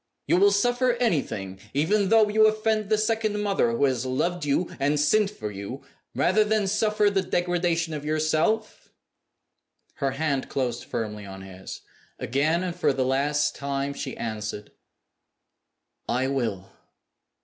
You will suffer anything even though you offend the second mother who has loved you and sinned for you rather than suffer the degradation of yourself?" Her hand closed firmly on his. Again, and for the last time, she answered, "I will!"